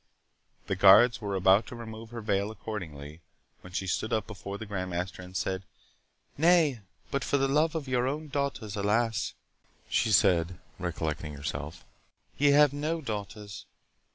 The guards were about to remove her veil accordingly, when she stood up before the Grand Master and said, "Nay, but for the love of your own daughters—Alas," she said, recollecting herself, "ye have no daughters!